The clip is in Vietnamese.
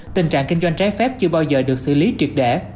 tình trạng kinh doanh trái phép chưa bao giờ được xử lý triệt đẻ